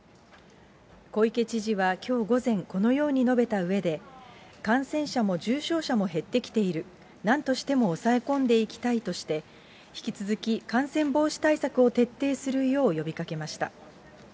小池知事はきょう午前、このように述べたうえで、感染者も重症者も減ってきている、なんとしても抑え込んでいきたいとして、引き続き感染防止対策を徹底するよう呼びかけました。